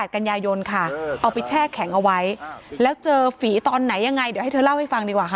กันยายนค่ะเอาไปแช่แข็งเอาไว้แล้วเจอฝีตอนไหนยังไงเดี๋ยวให้เธอเล่าให้ฟังดีกว่าค่ะ